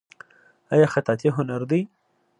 آیا خطاطي هنر دی؟